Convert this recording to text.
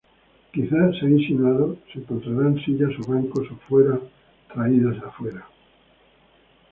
Quizá, se ha insinuado, se encontraran sillas o bancos o fueran traídas afuera.